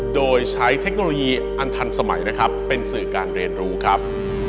โดยใช้เทคโนโลยีอันทันสมัยนะครับเป็นสื่อการเรียนรู้ครับ